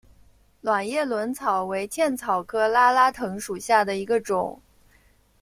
卵叶轮草为茜草科拉拉藤属下的一个种。